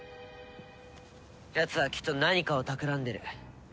やつはきっと何かをたくらんでる。